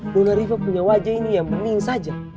nona riva punya wajah ini yang bening saja